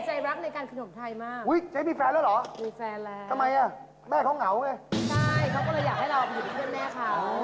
ใช่เขาก็เลยอยากให้เราอยู่เพื่อนแม่เขา